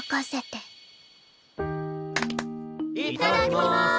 パンいただきます。